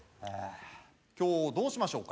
今日どうしましょうか？